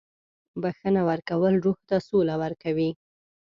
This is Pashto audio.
• بخښنه ورکول روح ته سوله ورکوي.